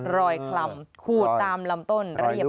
รอยคลัมขู่ตามลำต้นรอเลี่ยบร้อยน่ะ